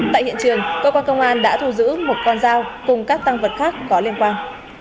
tại hiện trường cơ quan công an đã thu giữ một con dao cùng các tăng vật khác có liên quan